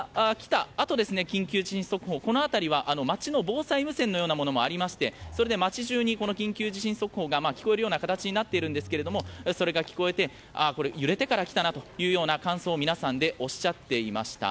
揺れが来たあと緊急地震速報町の防災無線のようなものもありましてそれで町中に緊急地震速報が聞こえる形になっていますがそれが聞こえて、これは揺れてから来たなという感想を皆さんでおっしゃっていました。